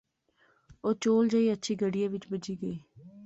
او چول جئے اچھی گڈیا وچ بہجی گئے